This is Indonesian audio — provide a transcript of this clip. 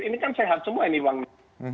ini kan sehat semua ini bang